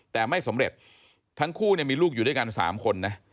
แต่ไม่สำเร็จทั้งคู่มีลูกอยู่ด้วยกัน๓คนนะ